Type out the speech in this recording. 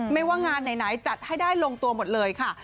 ไม่ว่างานไหนจัดให้ได้ลงตัวหมดเลยค่ะ